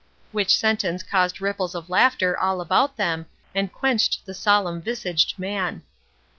Which sentence caused ripples of laughter all about them, and quenched the solemn visaged man.